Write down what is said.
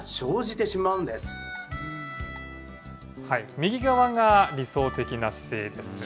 右側が理想的な姿勢です。